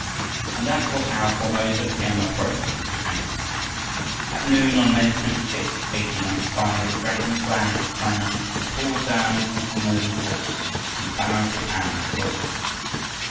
And that was how Formosa became a province of Japan. At noon on May 26, 1895, the dragon flag of China was hauled down from Formosan forts and the banner of Japan was hoisted.